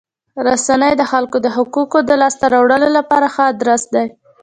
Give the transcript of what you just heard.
رسنۍ د خلکو د حقوقو د لاسته راوړلو لپاره ښه ادرس دی.